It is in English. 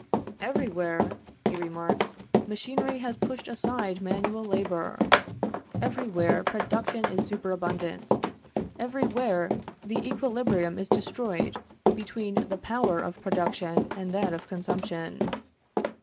"Every where," he remarks, "machinery has pushed aside manual labor; every where production is superabundant; every where the equilibrium is destroyed between the power of production and that of consumption."